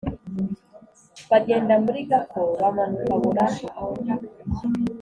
Bagenda muri Gako, bamanuka Burahi;